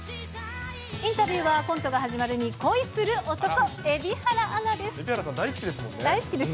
インタビューは、コントが始まるに恋する男、蛯原アナです。